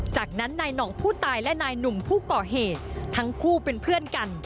จากนั้นนายหน่องผู้ตายและนายหนุ่มผู้ก่อเหตุทั้งคู่เป็นเพื่อนกัน